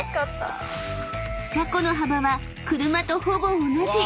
［車庫の幅は車とほぼ同じ！］